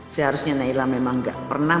seharusnya nayla memang gak pernah